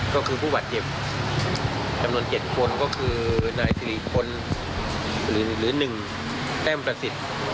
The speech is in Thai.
ก็คือผู้บาดเจ็บจำนวน๗คนก็คือนายสิริพลหรือ๑แต้มประสิทธิ์